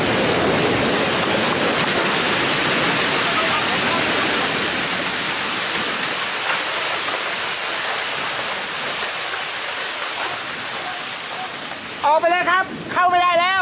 เอาไปแล้วครับเข้าไปได้แล้ว